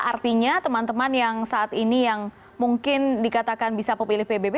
artinya teman teman yang saat ini yang mungkin dikatakan bisa pemilih pbb